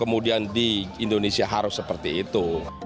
kemudian di indonesia harus seperti itu